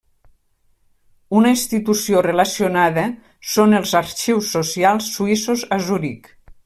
Una institució relacionada són els Arxius Socials Suïssos a Zuric.